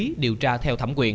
để thủ lý điều tra theo thẩm quyền